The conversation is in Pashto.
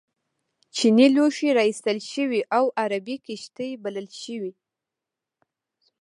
چینی لوښي را ایستل شوي او عربي کښتۍ بلل شوي.